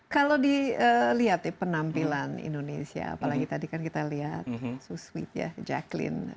kalau dilihat ya penampilan indonesia apalagi tadi kan kita lihat suswit ya jacqueline